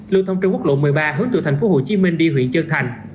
lưu thông trên quốc lộ một mươi ba hướng từ thành phố hồ chí minh đi huyện trân thành